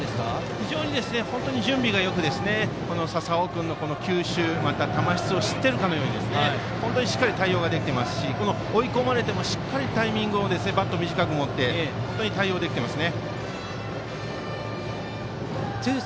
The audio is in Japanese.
非常に準備がよく笹尾君の球種、球質を知っているかのように本当にしっかり対応ができていますし追い込まれてもしっかりタイミングをバットを短く持って対応できています。